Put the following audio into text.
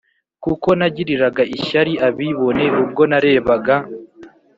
Kuko nagiriraga ishyari abibone Ubwo narebaga